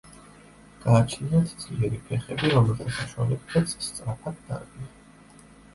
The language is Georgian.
გააჩნიათ ძლიერი ფეხები, რომელთა საშუალებითაც სწრაფად დარბიან.